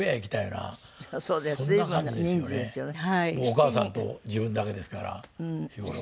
お母さんと自分だけですから日頃は。